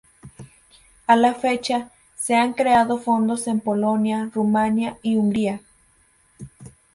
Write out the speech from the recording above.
A la fecha, se han creado fondos en Polonia, Rumania y Hungría.